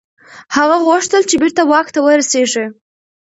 هغه غوښتل چي بیرته واک ته ورسیږي.